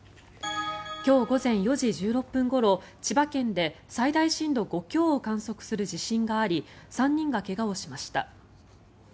今日午前４時１６分ごろ千葉県で最大震度５強を観測する地震があり３人が怪我をしました。